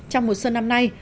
trong một xuân năm nay